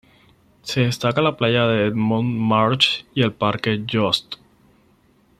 Se destaca la playa de Edmonds Marsh y el parque Yost.